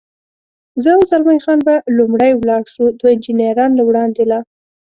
زه او زلمی خان به لومړی ولاړ شو، دوه انجنیران له وړاندې لا.